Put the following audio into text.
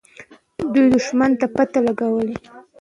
دوی دښمن ته پته لګولې.